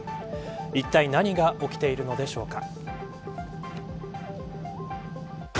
いったい何が起きているのでしょうか。